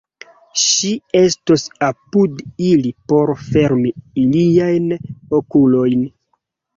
Ŝi estos apud ili por fermi iliajn okulojn.